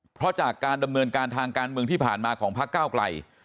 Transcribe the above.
เพราะจากการดำเนินการทางการเมืองที่ผ่านมาของพักเก้าไกล